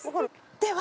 では。